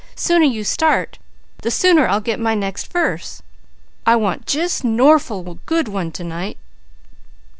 "Sooner you start, the sooner I'll get my next verse. I want just norful good one to night."